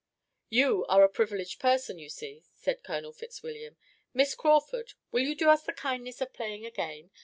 "You are a privileged person, you see," said Colonel Fitzwilliam. "Miss Crawford, will you do us the kindness of playing again?